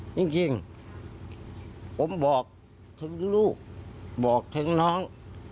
จริงผมบอกถึงลูกบอกถึงน้อง